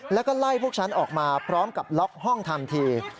แล้วก็ไล่พวกฉันออกมาพร้อมกับล็อกห้องทันที